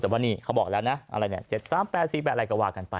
แต่ว่านี่เขาบอกแล้วนะอะไรเนี่ย๗๓๘๔๘อะไรก็ว่ากันไป